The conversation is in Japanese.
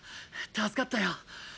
助かったよ。